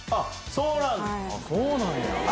そうなんや。